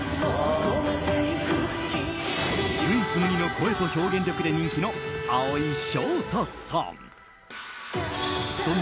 唯一無二の声と表現力で人気の蒼井翔太さん。